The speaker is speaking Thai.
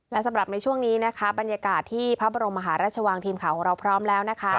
และสำหรับในช่วงนี้นะคะบรรยากาศที่พระบรมมหาราชวังทีมข่าวของเราพร้อมแล้วนะคะ